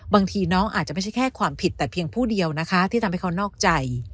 บางทีน้องอาจจะไม่ใช่แค่ความผิดแต่เพียงผู้เดียวนะคะที่ทำให้เขานอกใจ